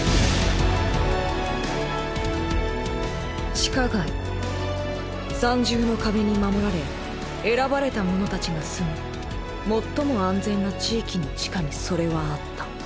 地下街ーー３重の壁に守られ選ばれた者たちが住む最も安全な地域の地下にそれはあった。